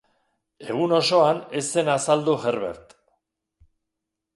Egun osoan ez zen azaldu Herbert.